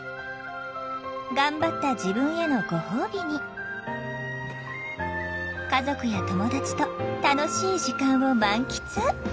頑張った自分へのご褒美に家族や友達と楽しい時間を満喫。